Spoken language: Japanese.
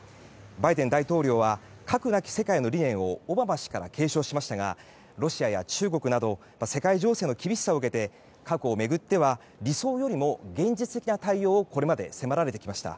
バイデン大統領は核なき世界の理念をオバマ氏から継承しましたがロシアや中国など世界情勢の厳しさを受けて核を巡っては、理想よりも現実的な対応をこれまで迫られてきました。